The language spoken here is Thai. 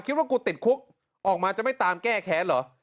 คิดว่ากูติดคุกออกมาจะไม่ตามแก้แค้นเหรอ